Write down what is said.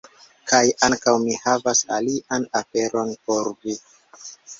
Kaj... ankaŭ mi havas alian aferon por vi